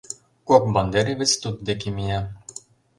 Кок бандеровец туддеке мия.